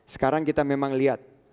sekarang kita memang lihat